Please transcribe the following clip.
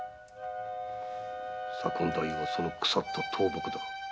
左近大夫はその腐った倒木だ。